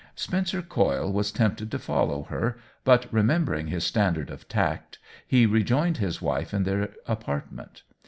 Spencer Coyle was tempted to follow her, but remembering his standard of tact, he re joined his wife in their apartment.